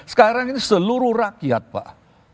sekarang ini seluruh rakyat pak